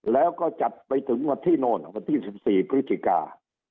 แล้วก็จัดไปถึงวันที่โน่นวันที่๑๔พฤศจิกา